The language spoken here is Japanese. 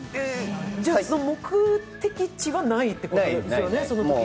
じゃあ、目的地はないってことですよね、そのとき。